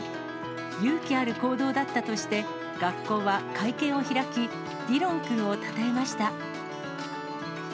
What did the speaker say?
勇気ある行動だったとして、学校は会見を開き、ディロン君をたたえました。